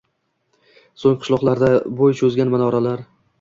So‘ng qishloqlarda bo‘y cho‘zgan minoralar